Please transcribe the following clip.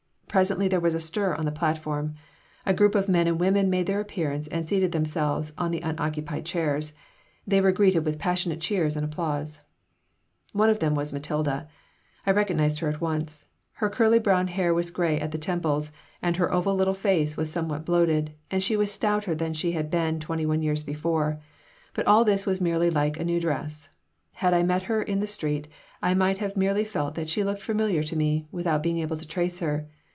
Presently there was a stir on the platform. A group of men and women made their appearance and seated themselves on the unoccupied chairs. They were greeted with passionate cheers and applause One of them was Matilda. I recognized her at once. Her curly brown hair was gray at the temples, and her oval little face was somewhat bloated, and she was stouter than she had been twenty one years before; but all this was merely like a new dress. Had I met her in the street, I might have merely felt that she looked familiar to me, without being able to trace her.